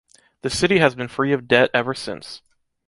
The city has been free of debt ever since.